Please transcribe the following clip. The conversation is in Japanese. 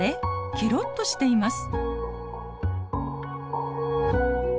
ケロッとしています。